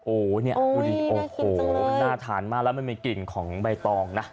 โอ้โหเนี่ยดูดิโอ้โหมันน่าทานมากแล้วมันมีกลิ่นของใบตองนะ